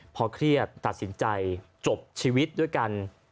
พอเครียดตัดสินใจจบชีวิตด้วยกัน